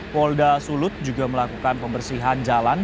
polda sulut juga melakukan pembersihan jalan